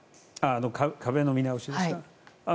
壁の見直しですか。